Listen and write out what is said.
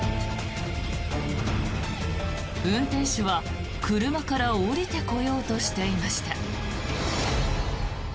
運転手は車から降りてこようとしていました。